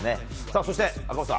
そして、赤星さん。